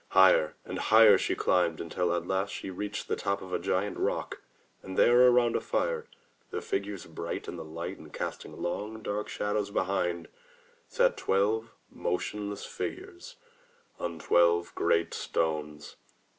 Higher and higher she climbed until at last she reached the top of a giant rock, and there, about a fire, their figures bright in the light and cast ing long, dark shadows behind, sat twelve motionless figures on twelve great stones.